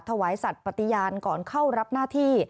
ถวายสัตว์ปฏิญาณก่อนเข้ารับหน้าที่